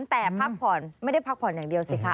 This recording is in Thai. แต่พักผ่อนไม่ได้พักผ่อนอย่างเดียวสิคะ